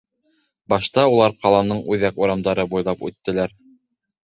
Башта улар ҡаланың үҙәк урамдары буйлап үттеләр.